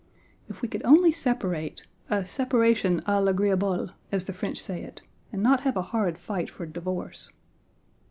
If we could only separate, a "separation à l'agréable," as the French say it, and not have a horrid fight for divorce.